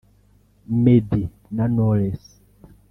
Meddy na Knowless